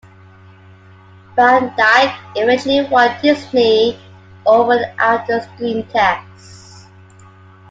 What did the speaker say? Van Dyke eventually won Disney over after a screen test.